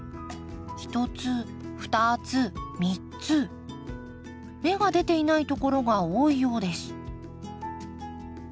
１つ２つ３つ芽が出ていないところが多いようです。